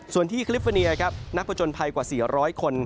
ส่วนที่คลิฟเฟอร์เนียครับนักประจนภัยกว่า๔๐๐คน